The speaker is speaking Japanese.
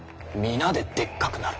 皆ででっかくなる。